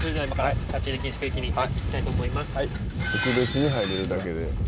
「特別に入れるだけで」